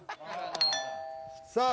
さあ